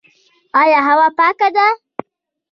آیا هوا پاکه ده؟